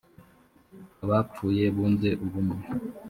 abapfuye bunze ubumwe